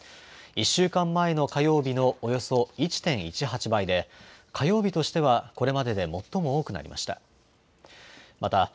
１週間前の火曜日のおよそ１．１８倍で、火曜日としてはこれまでで最も多くなりました。